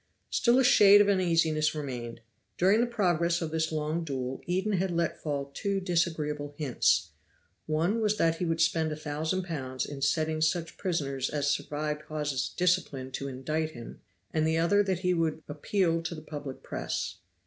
Still a shade of uneasiness remained. During the progress of this long duel Eden had let fall two disagreeable hints. One was that he would spend a thousand pounds in setting such prisoners as survived Hawes's discipline to indict him, and the other that he would appeal to the public press.